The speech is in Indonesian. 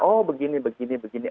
oh begini begini begini